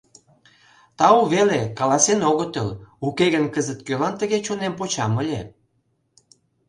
Тау веле, каласен огытыл, уке гын кызыт кӧлан тыге чонем почам ыле?